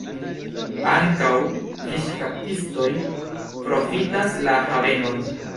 Ankaŭ fiŝkaptistoj profitas la havenon.